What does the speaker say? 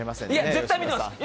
絶対見てますよ。